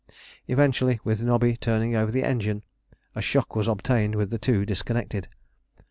Eventually, with Nobby turning over the engine, a shock was obtained with the two disconnected.